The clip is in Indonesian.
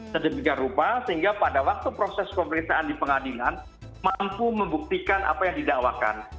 sedemikian rupa sehingga pada waktu proses pemeriksaan di pengadilan mampu membuktikan apa yang didakwakan